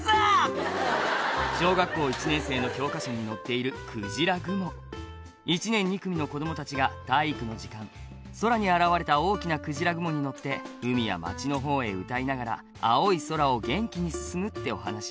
「小学校１年生の教科書に載っている『くじらぐも』」「１年２組の子供たちが体育の時間空に現れた大きなくじらぐもに乗って海や街のほうへ歌いながら青い空を元気に進むってお話」